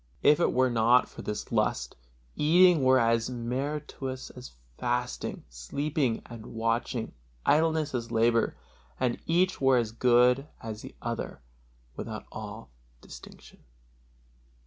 If it were not for this lust, eating were as meritorious as fasting, sleeping as watching, idleness as labor, and each were as good as the other without all distinction.